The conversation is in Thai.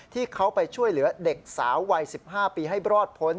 ที่เขาไปช่วยเหลือเด็กสาววัย๑๕ปีให้รอดพ้น